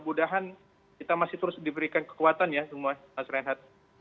mudah mudahan kita masih terus diberikan kekuatan ya semua mas renhat